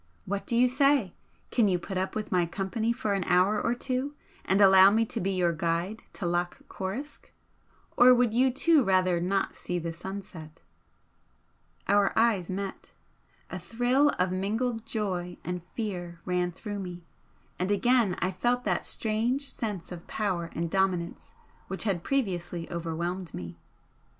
"What do you say? Can you put up with my company for an hour or two and allow me to be your guide to Loch Coruisk? Or would you, too, rather not see the sunset?", Our eyes met. A thrill of mingled joy and fear ran through me, and again I felt that strange sense of power and dominance which had previously overwhelmed me.